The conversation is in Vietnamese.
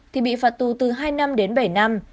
thì bị phạt tù từ hai năm đến bảy năm